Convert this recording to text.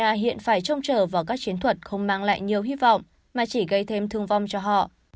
nga hiện phải trông trở vào các chiến thuật không mang lại nhiều hy vọng mà chỉ gây thêm thương vong cho họ